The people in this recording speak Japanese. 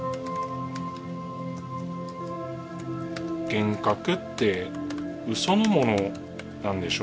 「幻覚ってうそのものなんでしょ？」